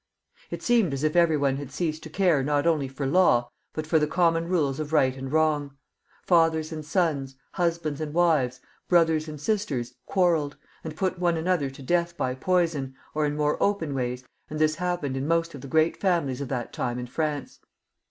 It seemed as if every one had left off caring not only for law, but for the common rules of right and wrong. Fathers and sons, husbands and wives, brothers and sisters, 208 CHARLES VIL [CH. quarrelled, and put one another to death by poison, or in more open ways, and this happened in most of the great families of that time in France.